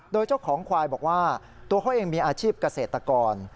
โดยเจ้าของควายบอกว่าตัวเขาเองมีอาชีพเกษตรกร